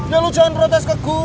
ya lu jangan protes ke gue